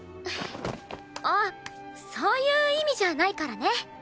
あっそういう意味じゃないからね。